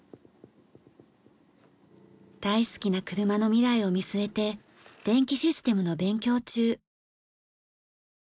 大好きな車の未来を見据えて電気システムの勉強中。